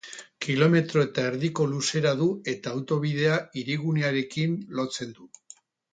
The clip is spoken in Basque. Kilometro eta erdiko luzera du eta autobidea hirigunearekin lotzen du.